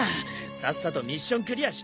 さっさとミッションクリアしてくれ！